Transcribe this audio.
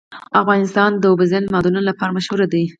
افغانستان د اوبزین معدنونه لپاره مشهور دی.